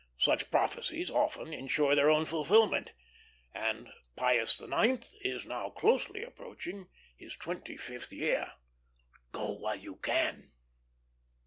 Such prophecies often insure their own fulfilment, and Pius IX. is now closely approaching his twenty fifth year. Go while you can."